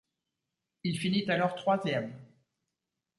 Il finit alors troisième.